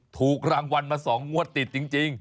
ถูกรางวัลมา๒งวดติดจริง